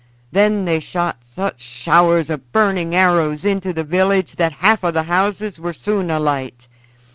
Then they shot such showers of burning arrows into the village that half of the houses were soon alight.